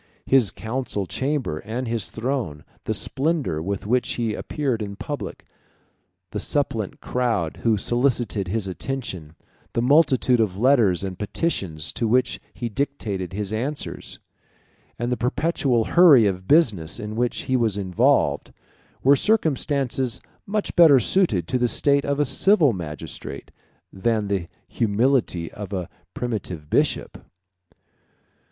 His council chamber and his throne, the splendor with which he appeared in public, the suppliant crowd who solicited his attention, the multitude of letters and petitions to which he dictated his answers, and the perpetual hurry of business in which he was involved, were circumstances much better suited to the state of a civil magistrate, 127 than to the humility of a primitive bishop.